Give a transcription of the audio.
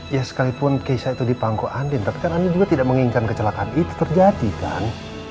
ya sekalipun keisha itu dipangku anin tapi kan anin juga tidak mengingat kecelakaan itu terjadi kan